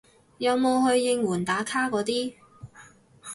有冇去應援打卡嗰啲